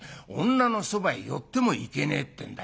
女のそばへ寄ってもいけねえってんだよ。